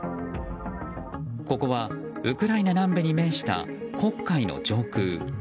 ここはウクライナ南部に面した黒海の上空。